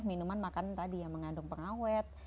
minuman makanan tadi yang mengandung pengawet